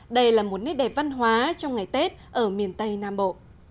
đây là một nét đẹp văn hóa trong ngày tết ở miền tây nam bộ